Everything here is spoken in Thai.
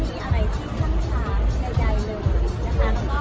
มีอะไรที่ข้างช้าใดเลยนะคะ